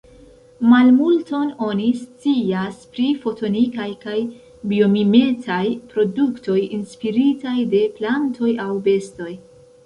Malmulton oni scias pri fotonikaj kaj biomimetaj produktoj inspiritaj de plantoj aŭ bestoj.